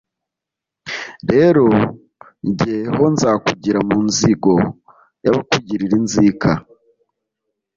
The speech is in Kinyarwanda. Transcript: Rero jye ho nzakugira mu nzigo Y'abakugirira inzika,